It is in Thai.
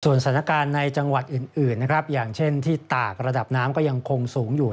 สถานการณ์ในจังหวัดอื่นนะครับอย่างเช่นที่ตากระดับน้ำก็ยังคงสูงอยู่